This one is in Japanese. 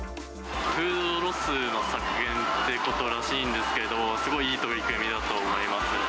フードロスの削減ということらしいんですけど、すごいいい取り組みだと思います。